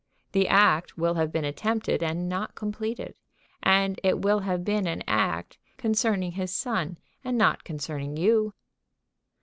The act will have been attempted and not completed. And it will have been an act concerning his son and not concerning you."